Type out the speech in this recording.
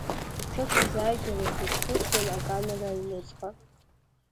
Ҿыц изааигарыз дазхәыцуан акамера аҩныҵҟа.